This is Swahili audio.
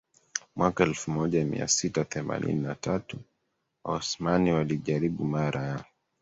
Mwaka elfumoja miasita themanini na tatu Waosmani walijaribu mara ya